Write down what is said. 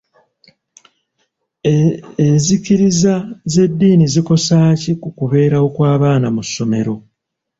Ezikkiriza z'edddiini zikosa ki ku kubeera kw'abaana mu ssomero?